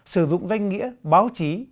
sử dụng danh nghĩa báo chí